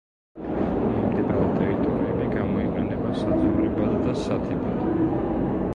მიმდებარე ტერიტორიები გამოიყენება საძოვრებად და სათიბად.